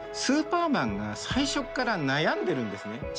スーパーマンが最初っから悩んでるんですね。